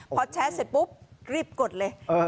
พอแชทเสร็จปุ๊บรีบกดเลย